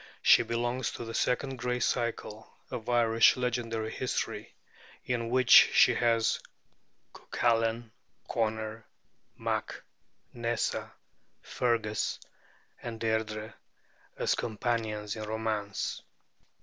She belongs to the second great cycle of Irish legendary history, in which she has Cuculain, Conor mac Nessa, Fergus, and Deirdrê, as companions in romance.